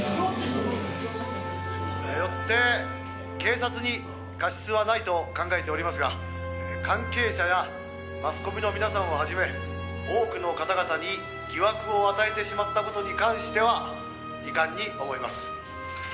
「よって警察に過失はないと考えておりますが関係者やマスコミの皆さんをはじめ多くの方々に疑惑を与えてしまった事に関しては遺憾に思います」